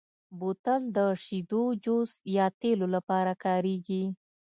بوتل د شیدو، جوس، یا تېلو لپاره کارېږي.